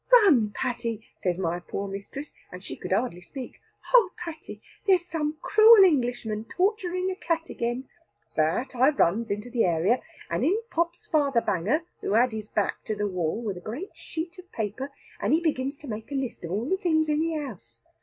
'Pain, Patty,' says my poor mistress, and she could hardly speak 'Oh, Patty, there's some cruel Englishman torturing a cat again.' So out I runs into the area, and in pops Father Banger, who had his back to the wall, with a great sheet of paper; and he begins to make a list of all the things in the house.